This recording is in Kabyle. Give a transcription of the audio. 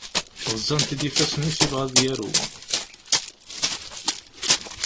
Ɣeẓẓan-t-id yifassen-is, yebɣa ad yaru.